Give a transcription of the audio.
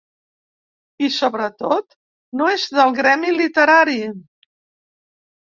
I, sobretot, no és del gremi literari.